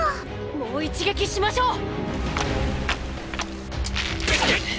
もう一撃しましょう！